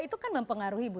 itu kan memang pengaruh ibu